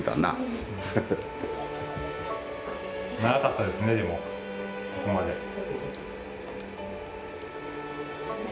長かったですねでもここまで。